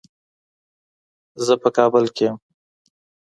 زه په کابل کې یم.